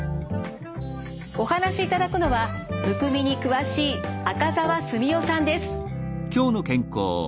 お話しいただくのはむくみに詳しい赤澤純代さんです。